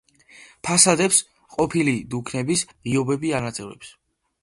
ფასადებს ყოფილი დუქნების ღიობები ანაწევრებს.